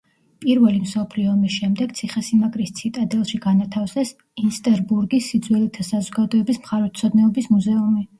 პირველი მსოფლიო ომის შემდეგ ციხესიმაგრის ციტადელში განათავსეს ინსტერბურგის სიძველეთა საზოგადოების მხარეთმცოდნეობის მუზეუმი.